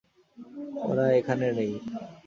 ওরা এখানে নেই।